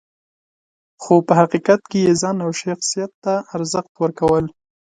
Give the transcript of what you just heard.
خو په حقیقت کې یې ځان او شخصیت ته ارزښت ورکول .